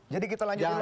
jadi kita lanjutin lagi